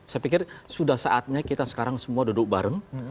saya pikir sudah saatnya kita sekarang semua duduk bareng